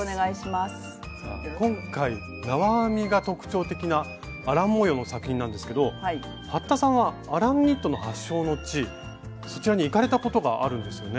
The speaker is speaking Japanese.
今回縄編みが特徴的なアラン模様の作品なんですけど服田さんはアランニットの発祥の地そちらに行かれたことがあるんですよね。